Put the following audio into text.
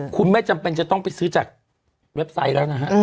คุณไม่จำเป็นจะต้องไปซื้อจากเว็บไซต์แล้วนะฮะ